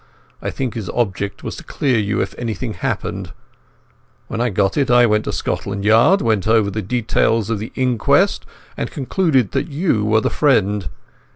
I think his object was to clear you if anything happened. When I got it I went to Scotland Yard, went over the details of the inquest, and concluded that you were the friend.